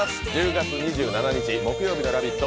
１０月２７日の木曜日の「ラヴィット！」